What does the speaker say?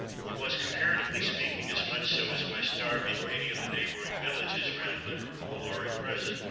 It was, comparatively speaking, as much so as West Derby, or any of the neighbouring villages round Liverpool, are at present.